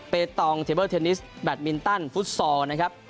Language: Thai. ตองเทเบิลเทนนิสแบตมินตันฟุตซอลนะครับ